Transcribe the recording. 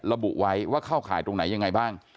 ระบุไว้ว่าเข้าข่ายตรงไหนยังไงบ้าง